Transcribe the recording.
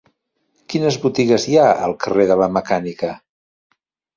Quines botigues hi ha al carrer de la Mecànica?